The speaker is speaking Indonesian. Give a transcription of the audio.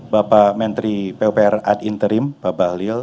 bapak menteri pupr ad interim bapak halil